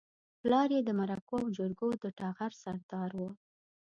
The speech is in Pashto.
پلار يې د مرکو او جرګو د ټغر سردار و.